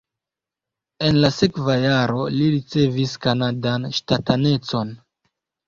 En la sekva jaro li ricevis kanadan ŝtatanecon.